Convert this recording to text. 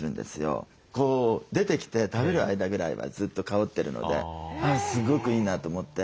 出てきて食べる間ぐらいはずっと香ってるのですごくいいなと思って。